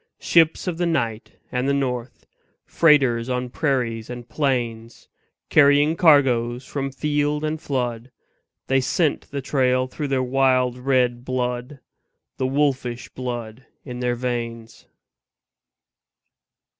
Ships of the night and the north, Freighters on prairies and plains, Carrying cargoes from field and flood They scent the trail through their wild red blood, The wolfish blood in their veins.